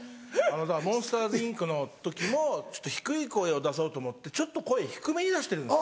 『モンスターズ・インク』の時もちょっと低い声を出そうと思ってちょっと声低めに出してるんです。